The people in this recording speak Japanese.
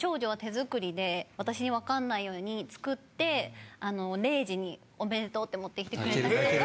私に分かんないように作って０時に「おめでとう」って持ってきてくれたりとか。